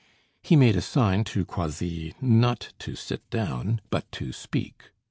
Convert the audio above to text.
He made a sign to Croisilles not to sit down but to speak.